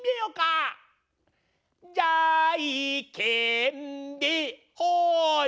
じゃいけんでほい！